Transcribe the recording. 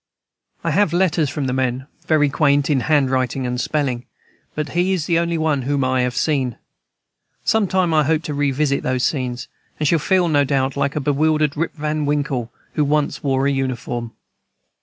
I have letters from the men, very quaint in handwriting and spelling; but he is the only one whom I have seen. Some time I hope to revisit those scenes, and shall feel, no doubt, like a bewildered Rip Van Winkle who once wore uniform.